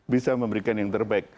bisa memberikan yang terbaik